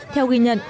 theo ghi nhận